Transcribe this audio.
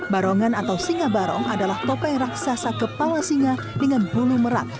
barongan atau singa barong adalah topeng raksasa kepala singa dengan bulu merak